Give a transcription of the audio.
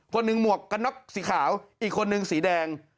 คนหนึ่งหมวกกระน๊อคสีขาวอีกคนหนึ่งสีแดง